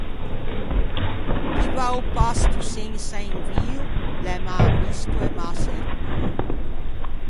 Chi va a-o pasto sensa invio, l’é mâ visto e mâ servio.